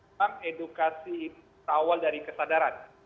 memang edukasi awal dari kesadaran